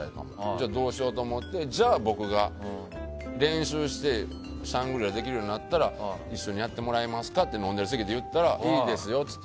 じゃあどうしようと思ってじゃあ、僕が練習して「シャングリラ」ができるようになったら一緒にやってもらえますかと言ったらいいですよと。